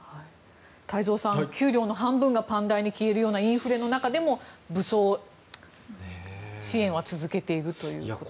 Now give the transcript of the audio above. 太蔵さん、給料の半分がパン代に消えるようなインフレの中でも武装支援は続けているということですが。